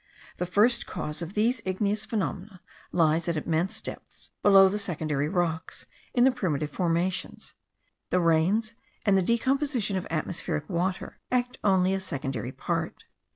The first cause of these igneous phenomena lies at immense depths below the secondary rocks, in the primitive formations: the rains and the decomposition of atmospheric water act only a secondary part.